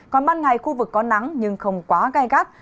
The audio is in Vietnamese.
còn ban ngày khu vực có nắng nhưng không quá gai gắt